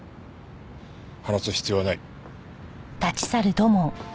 話す必要はない。